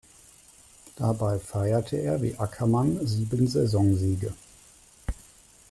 Dabei feierte er wie Ackermann sieben Saisonsiege.